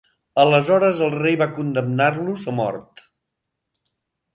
Aleshores, el rei va condemnar-los a mort.